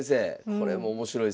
これも面白いですね。